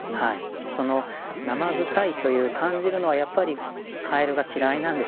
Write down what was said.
そのなまぐさいという感じるのはやっぱりカエルが嫌いなんでしょうね。